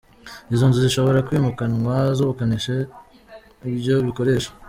Izo nzu zishobora kwimukanwa zubakisha ibyo bikoresho.